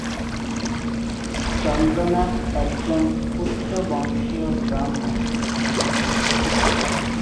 চন্দ্রনাথ একজন উচ্চ বংশীয় ব্রাহ্মণ।